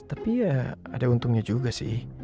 tapi ya ada untungnya juga sih